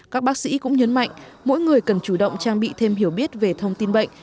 các bác sĩ cũng nhấn mạnh mỗi người cần chủ động trang bị thêm hiểu biết về thông tin bệnh